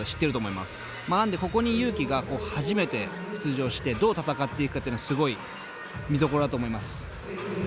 まあなんでここにＹＵ−ＫＩが初めて出場してどう戦っていくかっていうのがすごい見どころだと思います。